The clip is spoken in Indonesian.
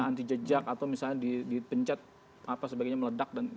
anti jejak atau misalnya dipencet apa sebagainya meledak